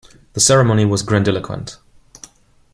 The ceremony was grandiloquent.